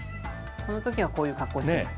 このときは、こういう格好しています。